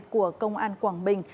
của công an quảng bình